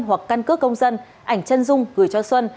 hoặc căn cước công dân ảnh chân dung gửi cho xuân